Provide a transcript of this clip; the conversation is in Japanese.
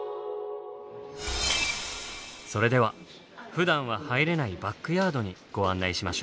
それではふだんは入れないバックヤードにご案内しましょう。